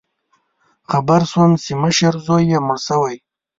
خبر شوم چې مشر زوی یې مړ شوی